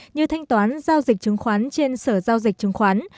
như thanh toán giao dịch chứng khoán trên sở giao dịch chứng khoán